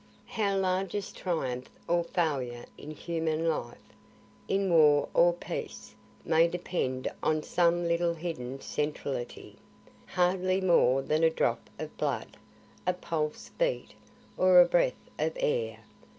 How largest triumph or failure in human life, in war or peace, may depend on some little hidden centrality, hardly more than a drop of blood, a pulse beat, or a breath of air!